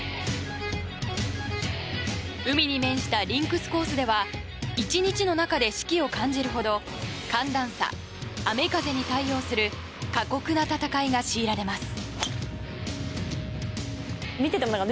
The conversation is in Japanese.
海に面したリンクスコースでは１日の中で四季を感じるほど寒暖差、雨風に対応する過酷な戦いが強いられます。